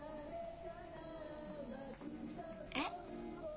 えっ？